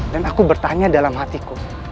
dan aku bertanya dalam hatiku